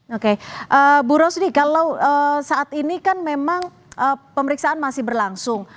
oke bu rosni kalau saat ini kan memang pemeriksaan masih berlangsung